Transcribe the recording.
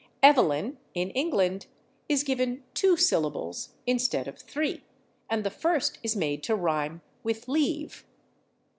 /Evelyn/, in England, is given two syllables instead of three, and the first is made to rhyme with /leave